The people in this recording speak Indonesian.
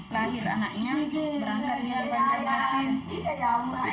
pas selesai lahir anaknya berangkat di depan jambasin